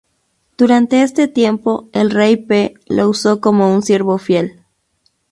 Durante este tiempo, el rey P lo usó como un siervo fiel.